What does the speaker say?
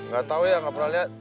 gak tau ya gak pernah liat